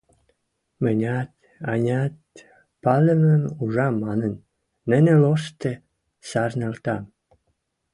Мӹнят, ӓнят, пӓлӹмӹм ужам манын, нӹнӹ лошты сӓрнӹлтӓм.